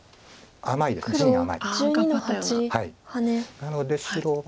なので白は。